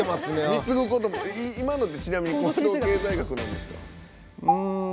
貢ぐことも今のってちなみに行動経済学なんですか？